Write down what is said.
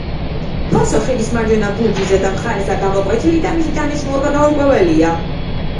ფოსო ხიდის მარჯვენა ბურჯის ზედა მხარესა გამოკვეთილი და მისი დანიშნულება გაურკვეველია.